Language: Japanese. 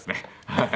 はい。